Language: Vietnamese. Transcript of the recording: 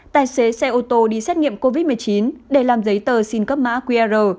tài xế xe ô tô đi xét nghiệm covid một mươi chín để làm giấy tờ xin cấp mã qr